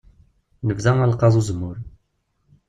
Nebda alqaḍ n uzemmur.